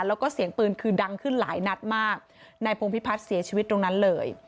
แล้วก็เสียงปืนคือดังขึ้นหลายนัดมากนายพงพิพัฒน์เสียชีวิตตรงนั้นเลย